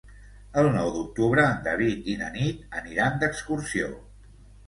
El nou d'octubre en David i na Nit aniran d'excursió.